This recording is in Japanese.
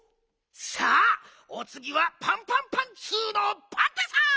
さあおつぎはパンパンパンツーのパンタさん！